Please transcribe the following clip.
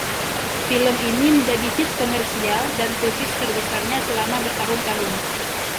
Film ini menjadi hit komersial dan kritis terbesarnya selama bertahun-tahun.